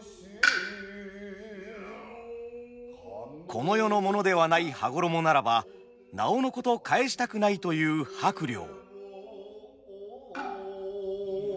「この世のものではない羽衣ならばなおのこと返したくない」という伯了。